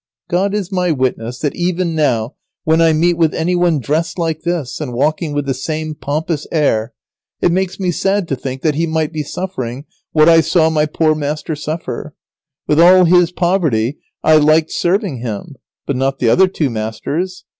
God is my witness that even now when I meet with any one dressed like this, and walking with the same pompous air, it makes me sad to think that he might be suffering what I saw my poor master suffer. [Sidenote: Lazaro has a kindly feeling for his third master.] With all his poverty I liked serving him; but not the other two masters.